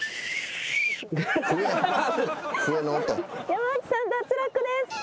山内さん脱落です。